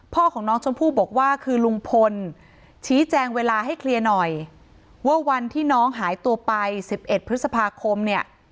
พ่อของน้องชมพู่บอกว่าคือลุงพลชี้แจงเวลาให้เคลียร์หน่อยว่าวันที่น้องหายตัวไป๑๑พฤษภาคมเนี่ย